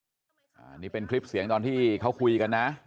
ว่าเธอไปมันเองอ่านี่เป็นคลิปเสียงตอนที่เขาคุยกันนะ